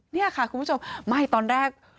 นี่ค่ะคุณผู้ชมไม่ตอนแรก